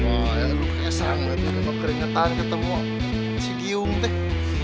wah ya rupanya sangat dengan keringatan ketemu si giung teh